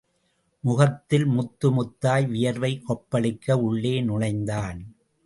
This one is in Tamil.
முகத்தில் முத்து முத்தாய் வியர்வை கொப்பளிக்க உள்ளே நுழைந்தான்.